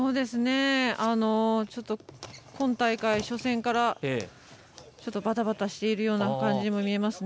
ちょっと今大会、初戦からバタバタしているような感じにも見えますね。